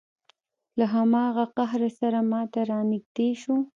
له هماغه قهره سره ما ته را نږدې شو.